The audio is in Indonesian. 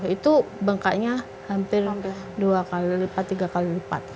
itu bengkaknya hampir dua kali lipat tiga kali lipat